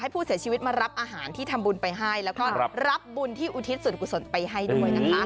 ผู้เสียชีวิตมารับอาหารที่ทำบุญไปให้แล้วก็รับบุญที่อุทิศส่วนกุศลไปให้ด้วยนะคะ